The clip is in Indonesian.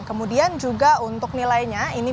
kemudian juga untuk nilainya ini belum bisa dikira